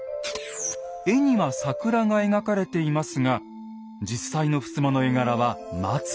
絵には桜が描かれていますが実際のふすまの絵柄は松。